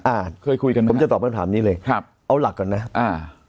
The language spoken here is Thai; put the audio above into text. อ่าเคยคุยกันไหมผมจะตอบคำถามนี้เลยครับเอาหลักก่อนนะอ่า